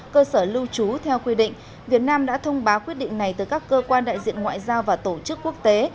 cơ sở lưu trú theo quy định việt nam đã thông báo quyết định này từ các cơ quan đại diện ngoại giao và tổ chức quốc tế